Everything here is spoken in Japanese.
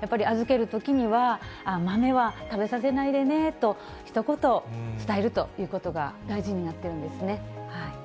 やっぱり、預けるときには、豆は食べさせないでねとひと言伝えるということが大事になってるんですね。